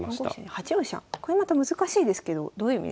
これまた難しいですけどどういう意味ですか？